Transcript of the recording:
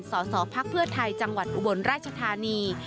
สสพักเพื่อไทยจังหวัดอุบลราชธานี